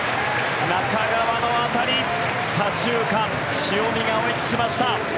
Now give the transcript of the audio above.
中川の当たり左中間、塩見が追いつきました。